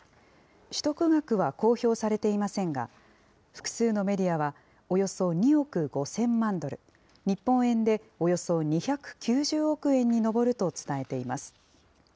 取得額は公表されていませんが、複数のメディアは、およそ２億５０００万ドル、日本円でおよそ２９０億円に上ると伝えています。